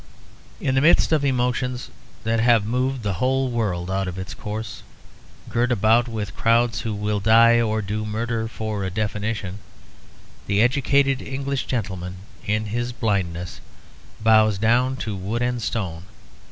In the midst of emotions that have moved the whole world out of its course, girt about with crowds who will die or do murder for a definition, the educated English gentleman in his blindness bows down to wood and stone.